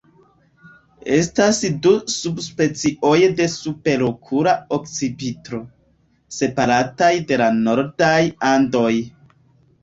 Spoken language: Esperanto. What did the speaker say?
Estas du subspecioj de Superokula akcipitro, separataj de la nordaj Andoj.